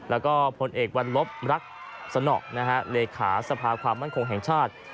แล้วก็พลเอกวันลบรักสนเลขาสภาความมั่นคงแห่งชาติ